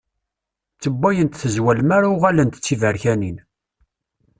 Ttewwayent tezwal mi ara uɣalent d tiberkanin.